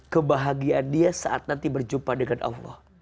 kebahagiaan dia saat nanti berjumpa dengan allah